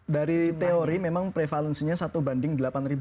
dari teori memang prevalensinya satu banding delapan ribu lima ratus